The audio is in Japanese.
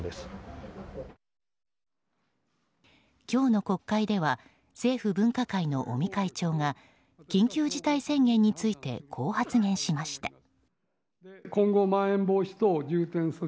今日の国会では政府分科会の尾身会長が緊急事態宣言についてこう発言しました。